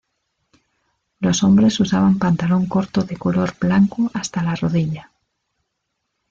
Los hombres usaban pantalón corto de color blanco hasta la rodilla.